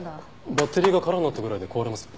バッテリーが空になったぐらいで壊れます？